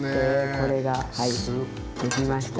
これがはいできました。